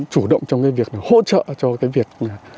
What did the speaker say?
chủ động trong cái việc là hỗ trợ cho cái việc